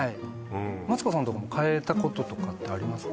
マツコさんとこもかえたこととかってありますか？